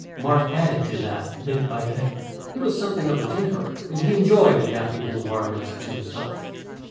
Mark added to that, bit by bit. He was something of a tinkerer, and he enjoyed adapting his environment to himself.